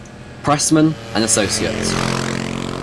Pressman and Associates.